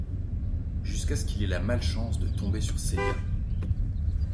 Jusqu'à ce qu'il ait la malchance de tomber sur Celia.